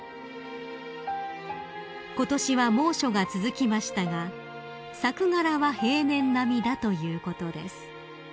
［ことしは猛暑が続きましたが作柄は平年並みだということです］